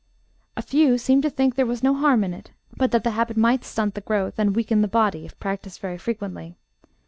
A few seemed to think there was 'no harm in it,' but that the habit might stunt the growth and weaken the body if practiced very frequently.